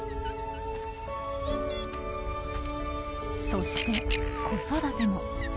そして子育ても。